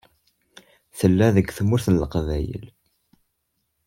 Tella deg Tmurt n Leqbayel.